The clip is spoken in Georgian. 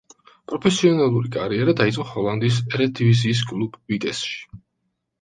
პროფესიონალური კარიერა დაიწყო ჰოლანდიის ერედივიზიის კლუბ „ვიტესში“.